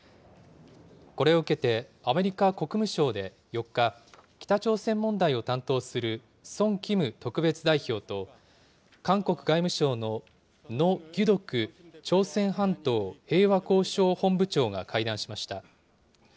これを受けて、アメリカ国務省で４日、北朝鮮問題を担当するソン・キム特別代表と、韓国外務省のノ・ギュドク朝鮮半島平和交渉本部長が会談しました。